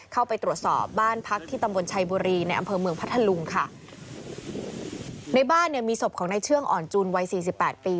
เข้าไปตรวจสอบบ้านพักที่ตำบลชัยบุรีในอำเภอเมืองพัทธลุงค่ะในบ้านเนี่ยมีศพของนายเชื่องอ่อนจูนวัยสี่สิบแปดปี